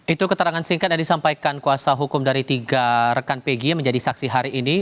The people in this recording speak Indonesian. itu keterangan singkat yang disampaikan kuasa hukum dari tiga rekan pg menjadi saksi hari ini